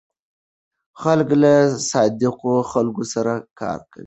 خلک له صادقو خلکو سره کار کوي.